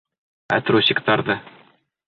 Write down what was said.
Ә трусиктарҙы?